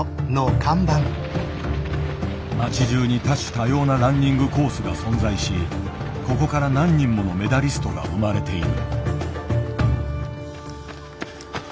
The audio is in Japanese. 町じゅうに多種多様なランニングコースが存在しここから何人ものメダリストが生まれている。